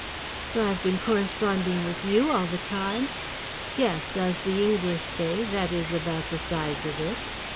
"So I have been corresponding with you all the time?" "Yes. As the English say, that is about the size of it.